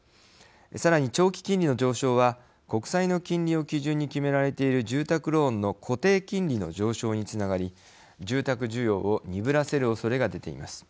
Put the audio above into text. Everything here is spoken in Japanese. さらに、長期金利の上昇は国債の金利を基準に決められている住宅ローンの固定金利の上昇につながり住宅需要を鈍らせるおそれが出ています。